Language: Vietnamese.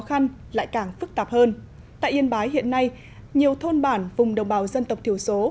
khó khăn lại càng phức tạp hơn tại yên bái hiện nay nhiều thôn bản vùng đồng bào dân tộc thiểu số